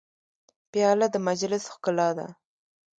پیاله د مجلس ښکلا ده.